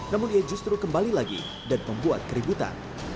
namun ia justru kembali lagi dan membuat keributan